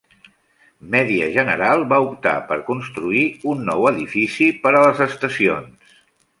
Media General va optar per construir un nou edifici per a les estacions.